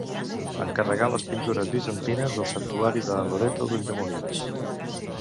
Encarregà les pintures bizantines del Santuari del Loreto d'Ulldemolins.